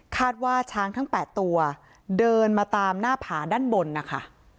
ว่าช้างทั้ง๘ตัวเดินมาตามหน้าผาด้านบนนะคะ